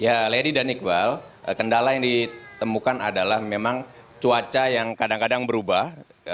ya lady dan iqbal kendala yang ditemukan adalah memang cuaca yang kadang kadang berubah